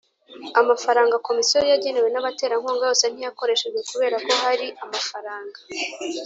Amafaranga Komisiyo yagenewe n abaterankunga yose ntiyakoreshejwe kubera ko hari amafaranga